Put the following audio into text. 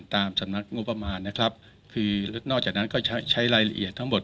สำนักงบประมาณนะครับคือนอกจากนั้นก็ใช้รายละเอียดทั้งหมด